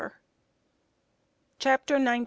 CHAPTER XIX.